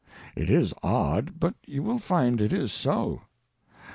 It is odd, but you will find it is so.